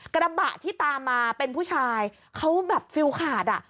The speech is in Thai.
กระบะที่ตามมาเป็นผู้ชายเขาแบบฟิลขาดอ่ะ